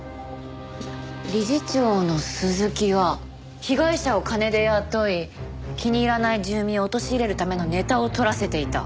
理事長の鈴木は被害者を金で雇い気に入らない住民を陥れるためのネタを撮らせていた。